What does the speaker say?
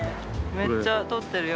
めっちゃ撮ってるよ。